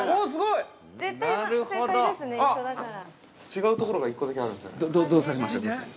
◆違うところが１個だけあるんですよね。